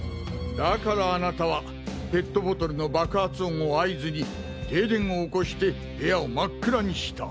だからあなたはペットボトルの爆発音を合図に停電を起こして部屋を真っ暗にした。